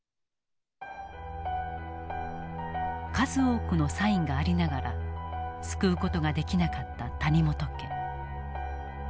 数多くのサインがありながら救う事ができなかった谷本家。